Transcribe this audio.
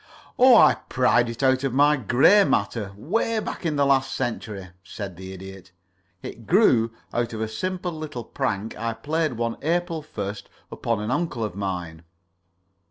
"Oh, I pried it out of my gray matter 'way back in the last century," said the Idiot. "It grew out of a simple little prank I played one April 1st upon an uncle of mine.